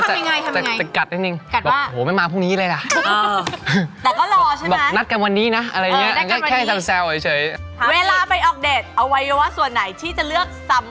จริงคุณเป็นคนกลัวไหม